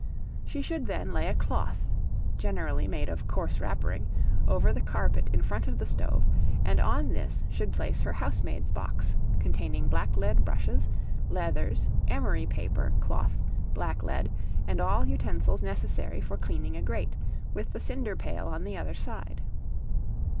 She should then lay a cloth (generally made of coarse wrappering) over the carpet in front of the stove, and on this should place her housemaid's box, containing black lead brushes, leathers, emery paper, cloth, black lead, and all utensils necessary for cleaning a grate, with the cinder pail on the other side.